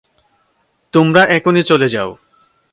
তোমরা এখুনি চলে যাও!